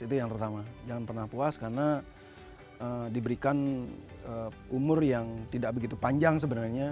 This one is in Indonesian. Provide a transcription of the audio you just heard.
itu yang pertama jangan pernah puas karena diberikan umur yang tidak begitu panjang sebenarnya